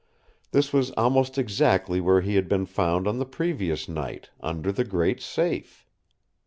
This was almost exactly where he had been found on the previous night, under the great safe.